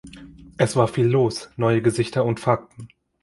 Es war viel los, neue Gesichter und Fakten.